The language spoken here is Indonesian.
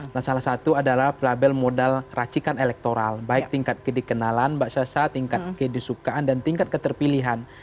nah salah satu adalah label modal racikan elektoral baik tingkat kedikenalan mbak sasa tingkat kedisukaan dan tingkat keterpilihan